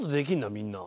みんな。